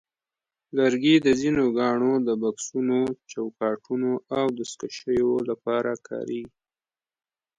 لرګي د ځینو ګاڼو د بکسونو، چوکاټونو، او دستکشیو لپاره کارېږي.